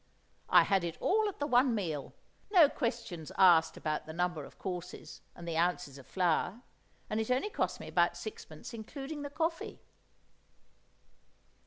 I had it all at the one meal, no questions asked about the number of courses and the ounces of flour, and it only cost me about sixpence including the coffee.